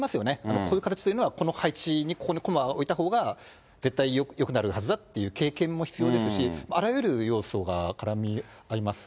こういう形というのは、この配置に、ここに駒を置いたほうが絶対よくなるはずだっていう経験も必要ですし、あらゆる要素が絡み合いますよね。